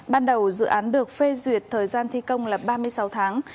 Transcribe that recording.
ban đầu dự án được phê duyệt thời gian thi công là ba mươi sáu tháng